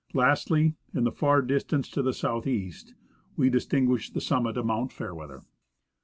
Lastly, in the far distance, to the south east, we distinguish the summit of Mount Fairweather.